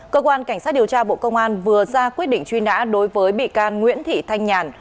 cơ quan cảnh sát điều tra bộ công an vừa ra quyết định truy nã đối với bị can nguyễn thị thanh nhàn